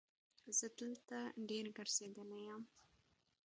زه دلته ډېر ګرځېدلی یم.